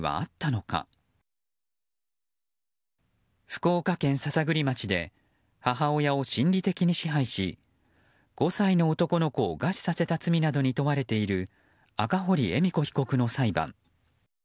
福岡県篠栗町で母親を心理的に支配し５歳の男の子を餓死させた罪などに問われている赤堀恵美子被告の裁判。